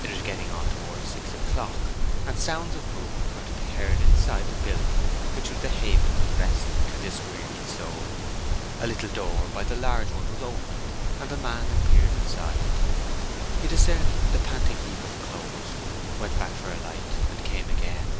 It was getting on towards six o'clock, and sounds of movement were to be heard inside the building which was the haven of rest to this wearied soul. A little door by the large one was opened, and a man appeared inside. He discerned the panting heap of clothes, went back for a light, and came again.